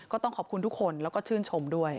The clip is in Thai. ก็ต้องขอบคุณทุกคนแล้วก็ชื่นชมด้วย